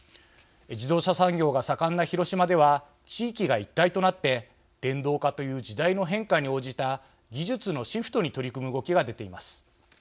自動車産業が盛んな広島では地域が一体となって電動化という時代の変化に応じた技術のシフトに取り組む動きが出ています。